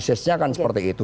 dan analisisnya kan seperti itu